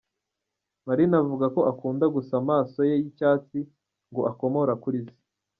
Marine avuga ko akunda gusa amaso ye y’icyatsi, ngo akomora kuri se.